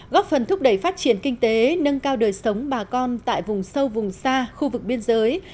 góp phần thúc đẩy phát triển kinh tế nâng cao đời sống bà con tại vùng sâu vùng xa khu vực biên giới